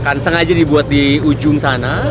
akan sengaja dibuat di ujung sana